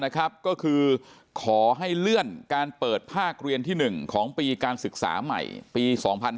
ก็คือขอให้เลื่อนการเปิดภาคเรียนที่๑ของปีการศึกษาใหม่ปี๒๕๕๙